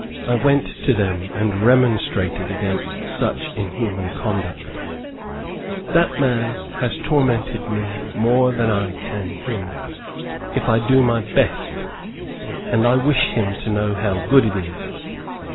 I went to them and remonstrated against such inhuman conduct. But one of the nuns replied, "That man has tormented me more than I can him, if I do my best, and I wish him to know how good it is."